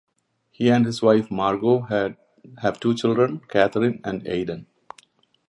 He and his wife Margo have two children: Katherine and Aidan.